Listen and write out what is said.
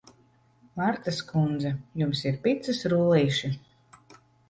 Martas kundze, jums ir picas rullīši?